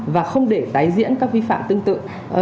và không để tái diễn các vi phạm tương tự